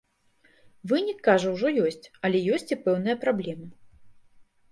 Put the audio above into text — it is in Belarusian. Вынік, кажа, ужо ёсць, але ёсць і пэўныя праблемы.